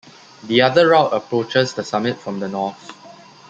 The other route approaches the summit from the north.